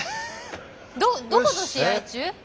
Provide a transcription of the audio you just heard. どどこと試合中？